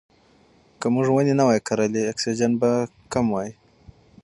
که موږ ونې نه وای کرلې اکسیجن به کم وای.